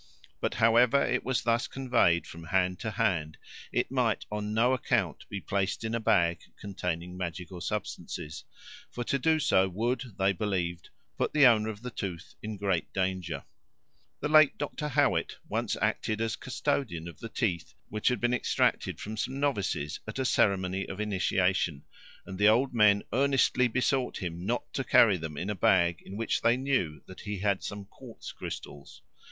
But however it was thus conveyed from hand to hand, it might on no account be placed in a bag containing magical substances, for to do so would, they believed, put the owner of the tooth in great danger. The late Dr. Howitt once acted as custodian of the teeth which had been extracted from some novices at a ceremony of initiation, and the old men earnestly besought him not to carry them in a bag in which they knew that he had some quartz crystals.